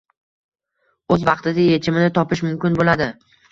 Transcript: — o‘z vaqtida yechimini topishi mumkin bo‘ladi.